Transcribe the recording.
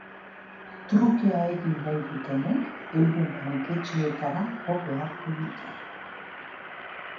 Trukea egin nahi dutenek euren banketxeetara jo beharko dute.